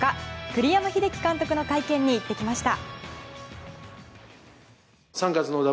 栗山英樹監督の会見に行ってきました。